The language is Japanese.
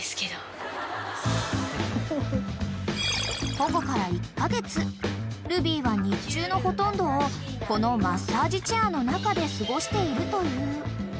［保護から１カ月ルビーは日中のほとんどをこのマッサージチェアの中で過ごしているという］